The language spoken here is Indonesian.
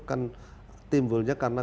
kan timbulnya karena